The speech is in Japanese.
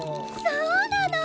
そォなの！